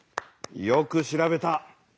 よく調べた。